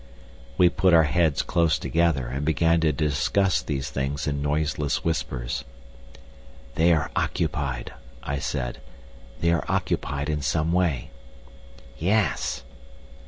We put our heads close together, and began to discuss these things in noiseless whispers. "They are occupied," I said, "they are occupied in some way." "Yes."